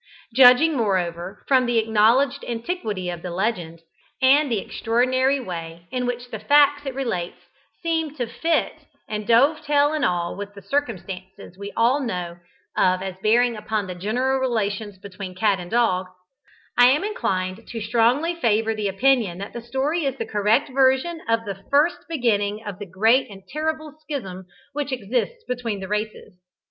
Judging, moreover, from the acknowledged antiquity of the legend, and the extraordinary way in which the facts it relates seem to fit and dove tail in with the circumstances we all know of as bearing upon the general relations between cat and dog, I am inclined to strongly favour the opinion that the story is the correct version of the first beginning of the great and terrible schism which exists between the races.